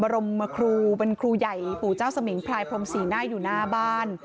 มีรูปปั้นบรมครูเป็นครูใหญ่ภูเจ้าสมิงพลายพรหมศรีหน้าอยู่หน้าบ้าน